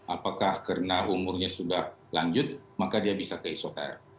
apakah karena umurnya sudah lanjut maka dia bisa keisoterapi